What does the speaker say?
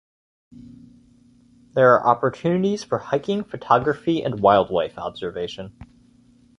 There are opportunities for hiking, photography, and wildlife observation.